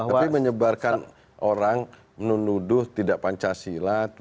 tapi menyebarkan orang menuduh tidak pancasila